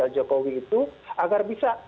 jokowi itu agar bisa